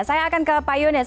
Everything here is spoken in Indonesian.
saya akan ke pak yunus